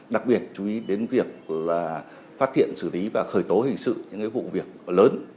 đặc biệt chú ý đến việc phát hiện xử lý và khởi tố hình sự những vụ việc lớn